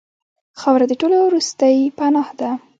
خاوره د ټولو وروستۍ پناه ده.